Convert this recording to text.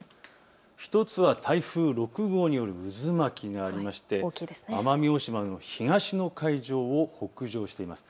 １つは台風６号による渦巻き、奄美大島の東の海上を北上しています。